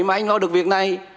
mà anh nói được việc này